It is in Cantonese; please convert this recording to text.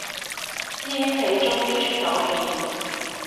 師兄你終於出到片